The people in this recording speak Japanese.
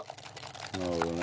なるほどね。